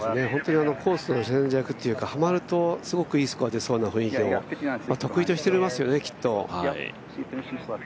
コースの戦略というか、ハマるとすごくいいスコアが出そうな雰囲気を得意としてますよね。